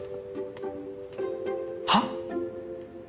はっ？